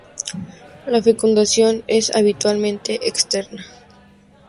La fecundación es habitualmente externa.